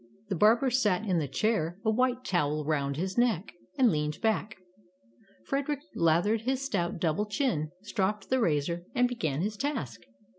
The barber sat in the chair, a white towel around his neck, and leaned back. Fred erick lathered his stout double chin, stropped the razor and began his task.